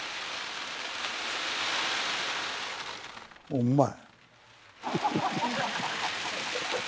おっうまい。